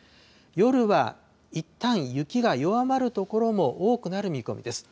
夜はいったん、雪が弱まる所も多くなる見込みです。